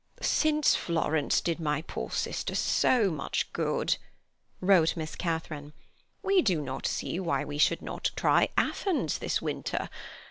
"Since Florence did my poor sister so much good," wrote Miss Catharine, "we do not see why we should not try Athens this winter.